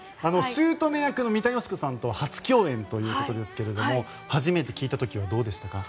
姑役の三田佳子さんと初共演ということですが初めて聞いた時はどうでしたか？